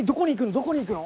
どこに行くの？